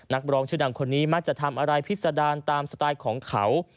นักร้องชื่อดังคนนี้มักจะทำอะไรพิษดารตามสไตล์ของเขา